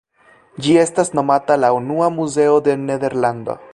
Ĝi estas nomata la unua muzeo de Nederlando.